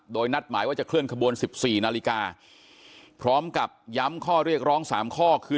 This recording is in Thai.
โดยนัดหมายว่าจะเคลื่อนขบวน๑๔นาฬิกาพร้อมกับย้ำข้อเรียกร้อง๓ข้อคือ